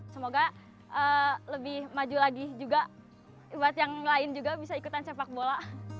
semoga lebih maju lagi juga buat yang lain juga bisa ikutan sepak bola